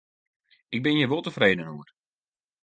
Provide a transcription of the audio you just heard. Ik bin hjir wol tefreden oer.